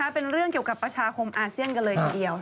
เป็นเรื่องเกี่ยวกับประชาคมอาเซียนกันเลยทีเดียว